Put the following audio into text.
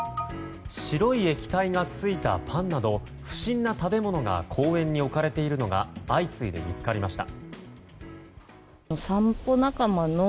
白い液体がついたパンなど不審な食べ物が公園に置かれているのが相次いで見つかりました。